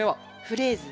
フレーズ。